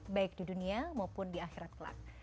baik di dunia maupun di akhirat kelak